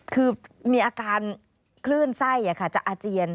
คือมีอาการคลื่นไส้จะอาเจียน